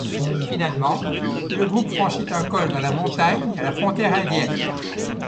Finalement, le groupe franchit un col dans la montagne à la frontière indienne.